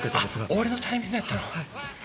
俺のタイミングやったの？